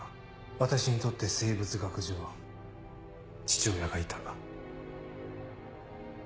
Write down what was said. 私にとって生物学上父親がいた。